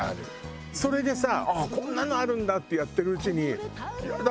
それでさこんなのあるんだってやってるうちにやだ